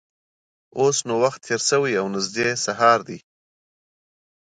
اوس نو وخت تېر شوی او نږدې سهار دی.